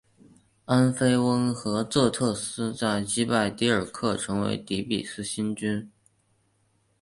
安菲翁和仄忒斯在击败狄耳刻成为底比斯新君。